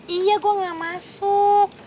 iya gua gak masuk